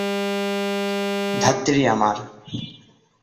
ধাত্রী আমার!